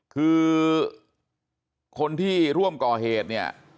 คือคนที่ร่วมก่อเหตุเนี่ย